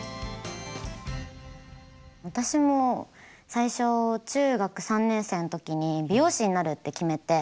私も最初中学３年生の時に美容師になるって決めて。